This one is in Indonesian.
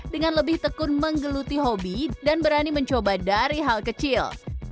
dengan lebih tekun menggeluti hobi dan berani mencoba dari hal kecil